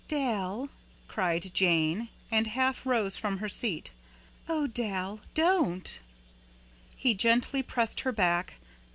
"Dal!" cried Jane, and half rose from her seat. "Oh, Dal, don't!" He gently pressed her back.